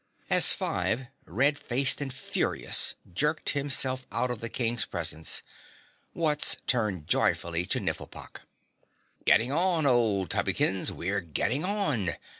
As Five, red faced and furious, jerked himself out of the King's presence, Wutz turned joyfully to Nifflepok. "Getting on, old Tubbykins, we're getting on!